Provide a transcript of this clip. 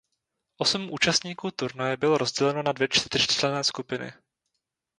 Osm účastníků turnaje bylo rozděleno na dvě čtyřčlenné skupiny.